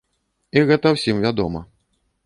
І гэта ўсім вядома.